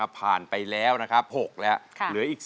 ผ่านไปแล้วนะครับ๖แล้วเหลืออีก๒